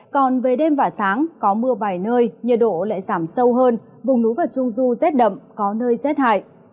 còn về đêm và sáng có mưa vài nơi nhiệt độ lại giảm sâu hơn vùng núi và trung du rét đậm có nơi rét hại